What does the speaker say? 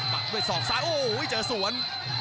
มาด้วยสอบซ้ายโอ้โหเจอส่วน